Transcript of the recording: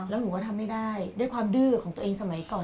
แล้วหนูก็ทำไม่ได้ด้วยความดื้อของตัวเองสมัยก่อน